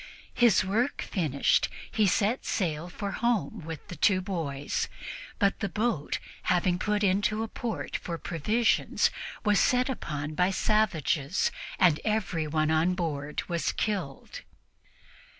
His work finished, he set sail for home with the two boys, but the boat, having put into a port for provisions, was set upon by savages, and everyone on board was killed.